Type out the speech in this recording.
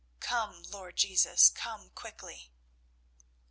Come, Lord Jesus, come quickly."